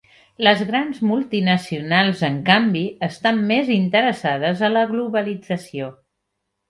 Les grans multinacionals en canvi estan més interessades a la globalització.